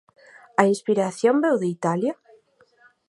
A inspiración veu de Italia?